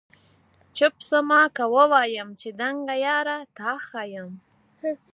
چپ سمه که ووایم چي دنګه یاره تا ښایم؟